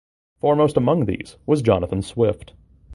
Foremost among these was Jonathan Swift.